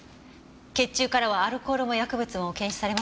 血中からはアルコールも薬物も検出されませんでした。